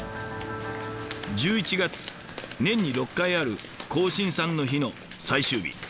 １１月年に６回ある庚申さんの日の最終日。